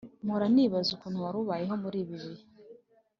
Mpora nibaza ukuntu warubayeho muribi bihe